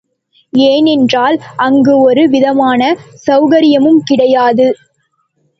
ஏனென்றால் அங்கு ஒரு விதமான செளகரியமும் கிடையாது.